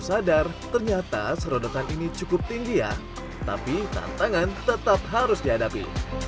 sadar ternyata serodokan ini cukup tinggi ya tapi tantangan tetap harus dihadapi